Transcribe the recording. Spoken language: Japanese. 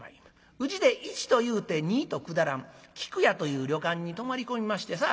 宇治で一と言うて二と下らん菊屋という旅館に泊まり込みましてさあ